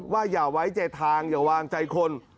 อย่าไว้ใจทางอย่าวางใจคน